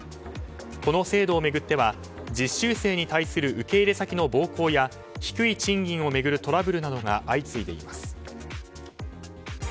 この制度を巡っては実習生に対する受け入れ先の暴行や低い賃金を巡るトラブルなどが相次いでいます。